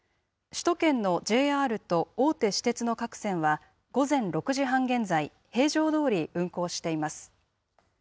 首都圏のＪＲと大手私鉄の各線は午前６時半現在、平常どおり運行しています。